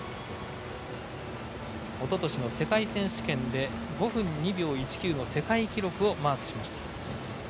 おととしの世界選手権で５分２秒１９の世界記録をマークしました。